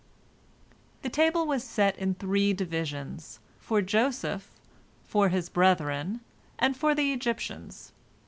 The table was set in three divisions, for Joseph, for his brethren, and for the Egyptians.